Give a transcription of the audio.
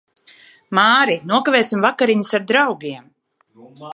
Māri, nokavēsim vakariņas ar draugiem.